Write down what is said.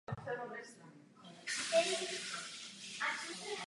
V této době začala jeho autorská spolupráce s Divadlem satiry.